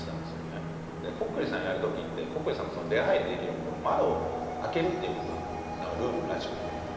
でコックリさんをやる時ってコックリさんが出はいりできるように窓を開けるっていうのがルールらしくて。